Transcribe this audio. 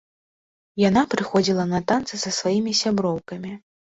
Яна прыходзіла на танцы са сваімі сяброўкамі.